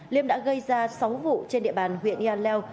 liêm đã gây ra sáu vụ trên địa bàn huyện yaleo